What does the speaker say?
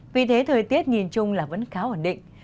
vì thế thời tiết nhìn chung là vẫn khá ổn định